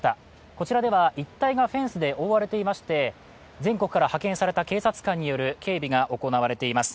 こちらでは一帯がフェンスで覆われていまして全国から派遣された警察官による警備が行われています。